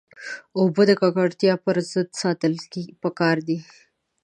اوبه د ککړتیا پر ضد ساتل پکار دي.